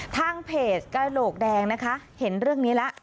ทางเพจกระโหลกแดงนะคะเห็นเรื่องนี้แล้ว